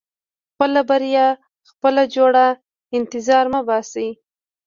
• خپله بریا خپله جوړوه، انتظار مه باسې.